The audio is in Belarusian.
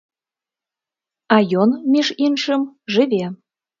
А ён, між іншым, жыве.